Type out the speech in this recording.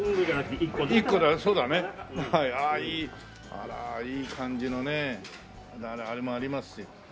あらいい感じのねありますよ。